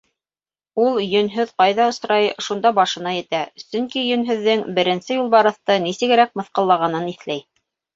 Ул Йөнһөҙ ҡайҙа осрай, шунда башына етә, сөнки Йөнһөҙҙөң Беренсе Юлбарыҫты нисегерәк мыҫҡыллағанын иҫләй.